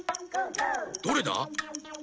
どれだ？